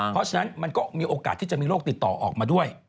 เพราะฉะนั้นมันก็มีโอกาสที่จะมีโรคติดต่อออกมาด้วย